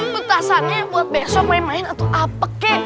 petasannya buat besok main main atau apek kek